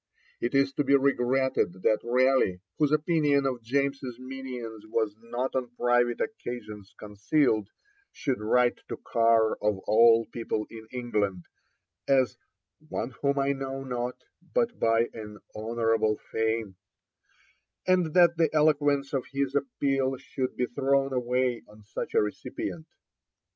It is to be regretted that Raleigh, whose opinion of James's minions was not on private occasions concealed, should write to Carr of all people in England as 'one whom I know not, but by an honourable fame;' and that the eloquence of his appeal should be thrown away on such a recipient.